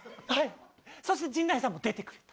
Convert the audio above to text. そして陣内さんも出てくれた。